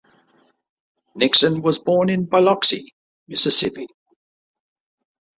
Nixon was born in Biloxi, Mississippi.